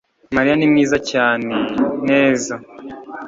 mariya ni mwiza cyane. neza